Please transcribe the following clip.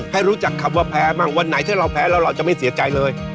ให้รู้จักคำว่าแพ้บ้างวันไหนถ้าเราแพ้แล้วเราจะไม่เสียใจเลย